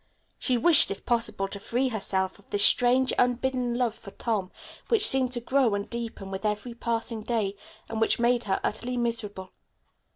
She wished, if possible, to free herself of this strange, unbidden love for Tom which seemed to grow and deepen with every passing day, and which made her utterly miserable.